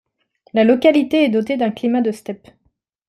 La localité est dotée d'un climat de steppe.